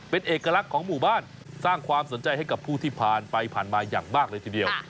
เป็นเอกลักษณ์ของหมู่บ้านสร้างความสนใจให้กับผู้ที่ผ่านไปผ่านมาอย่างมากเลยทีเดียว